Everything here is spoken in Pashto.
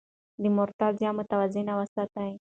د مور تغذيه متوازنه وساتئ.